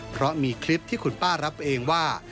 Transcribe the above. เพราะมีคลิปที่คุณป้ารับเองว่า